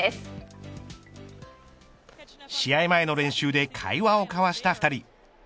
試合前の練習で会話を交わした２人。